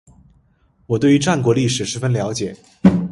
我对于战国历史十分了解